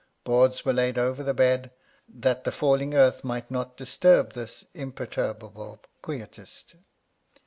Boards were laid over the bed, that the falling earth might not disturb this imperturbable quietist.